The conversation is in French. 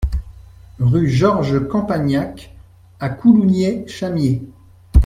Rue Georges Campagnac à Coulounieix-Chamiers